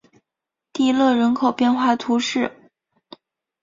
蒂勒人口变化图示